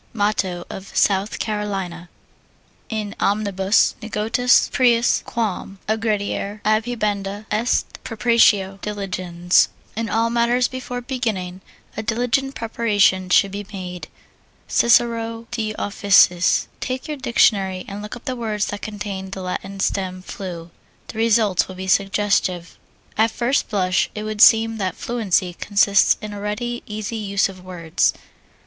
Motto of South Carolina. In omnibus negotiis prius quam aggrediare, adhibenda est præparatio diligens In all matters before beginning a diligent preparation should be made. CICERO, De Officiis. Take your dictionary and look up the words that contain the Latin stem flu the results will be suggestive. At first blush it would seem that fluency consists in a ready, easy use of words.